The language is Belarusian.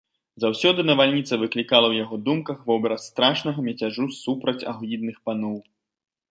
Заўсёды навальніца выклікала ў яго думках вобраз страшнага мяцяжу супроць агідных паноў.